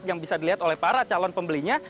yang bisa dilihat oleh para calon pembelinya